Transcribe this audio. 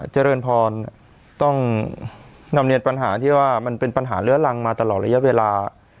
เจริญพรต้องนำเรียนปัญหาที่ว่ามันเป็นปัญหาเลื้อรังมาตลอดระยะเวลา